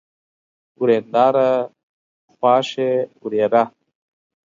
ورېنداره ، خواښې، ورېره